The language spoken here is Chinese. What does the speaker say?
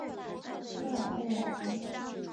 科尔贝兰。